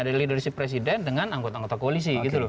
dari leadership presiden dengan anggota anggota koalisi